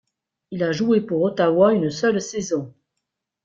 Il a joué pour Ottawa une seule saison.